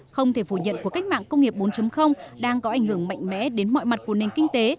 không thể phủ nhận của cách mạng công nghiệp bốn đang có ảnh hưởng mạnh mẽ đến mọi mặt của nền kinh tế